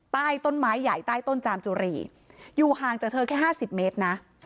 ใต้ต้นไม้ใหญ่ใต้ต้นจามจุรีอยู่ห่างจากเธอแค่๕๐เมตรนะ